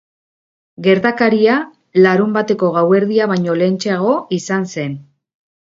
Gertakaria larunbateko gauerdia baino lehentxeago izan zen.